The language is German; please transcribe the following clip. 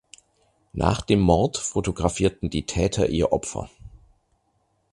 Nach dem Mord fotografierten die Täter ihr Opfer.